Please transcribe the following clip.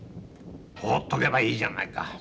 ほうっておけばいいじゃないか。